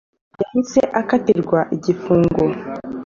Yahise akatirwa igifungo